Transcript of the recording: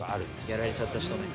やられちゃった人ね。